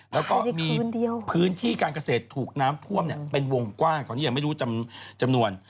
แล้วก็มีพื้นที่การเกษตรถูกน้ำท่วมเป็นวงกว้างตอนนี้ยังไม่รู้จำนวน